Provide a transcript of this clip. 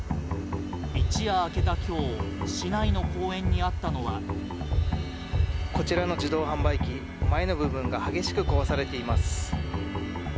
一夜明けた今日市内の公園にあったのはこちらの自動販売機前の部分が激しく壊されています。